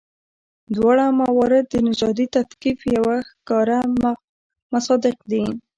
دواړه موارد د نژادي تفکیک یو ښکاره مصداق دي.